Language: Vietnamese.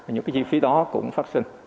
những cái chi phí đó cũng phát sinh